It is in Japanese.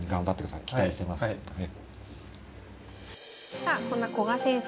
さあそんな古賀先生